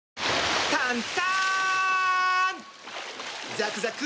ザクザク！